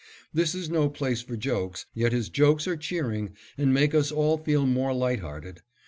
This is no place for jokes, yet his jokes are cheering and make us all feel more light hearted.